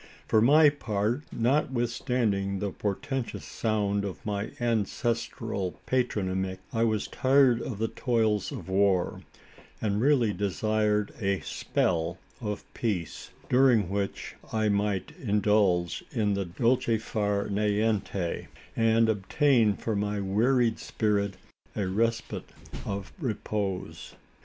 For my part, notwithstanding the portentous sound of my ancestral patronymic, I was tired of the toils of war, and really desired a "spell" of peace: during which I might indulge in the dolce far niente, and obtain for my wearied spirit a respite of repose.